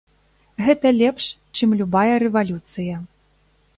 Гэта лепш, чым любая рэвалюцыя.